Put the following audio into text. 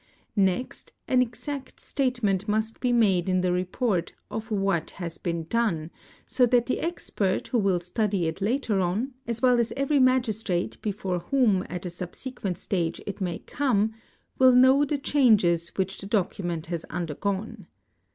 Next, an exact statement must be made in the report of what has been done, so that the expert who will 'study it later on, as well as every magistrate before whom at a subse "quent stage it may come, will know the changes which the document has undergone.